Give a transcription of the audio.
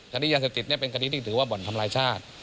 คดียาเสพติดเป็นคดีที่ถือว่าบ่อนทำลายชาติ